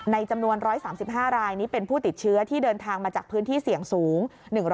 จำนวน๑๓๕รายนี้เป็นผู้ติดเชื้อที่เดินทางมาจากพื้นที่เสี่ยงสูง